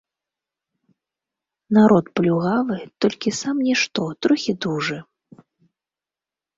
Народ плюгавы, толькі сам нішто, трохі дужы.